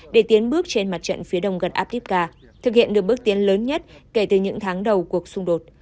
để tiến bước trên mặt trận phía đông gần atifka thực hiện được bước tiến lớn nhất kể từ những tháng đầu cuộc xung đột